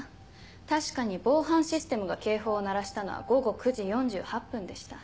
確かに防犯システムが警報を鳴らしたのは午後９時４８分でした。